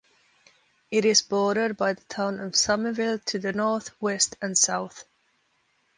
It is bordered by the town of Summerville to the north, west, and south.